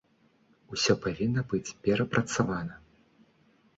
Усё павінна быць перапрацавана.